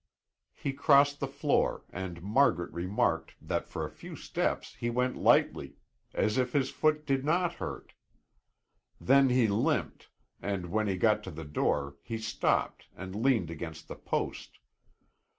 He crossed the floor and Margaret remarked that for a few steps he went lightly, as if his foot did not hurt. Then he limped, and when he got to the door he stopped and leaned against the post.